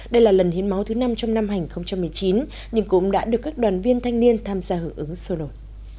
đây là lần hiến máu thứ năm trong năm hai nghìn một mươi chín nhưng cũng đã được các đoàn viên thanh niên tham gia hưởng ứng sôi nổi